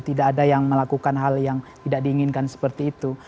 tidak ada yang melakukan hal yang tidak diinginkan seperti itu